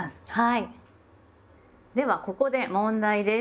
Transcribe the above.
ではここで問題です。